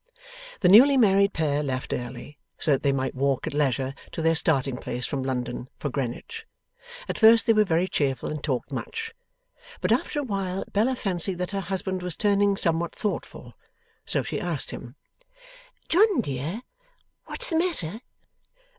The newly married pair left early, so that they might walk at leisure to their starting place from London, for Greenwich. At first they were very cheerful and talked much; but after a while, Bella fancied that her husband was turning somewhat thoughtful. So she asked him: 'John dear, what's the matter?